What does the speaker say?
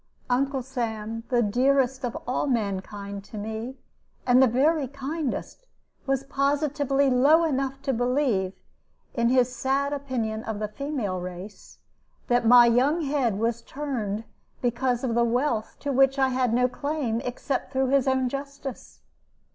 Uncle Sam, the dearest of all mankind to me, and the very kindest, was positively low enough to believe, in his sad opinion of the female race, that my young head was turned because of the wealth to which I had no claim, except through his own justice.